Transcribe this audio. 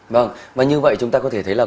vâng và như vậy chúng ta có thể thấy là